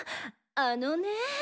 あのね。